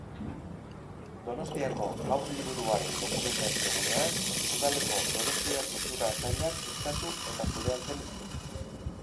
Donostiako Haur Liburuaren Dokumentaziogunea Udaleko Donostia Kultura sailak sustatu eta kudeatzen du.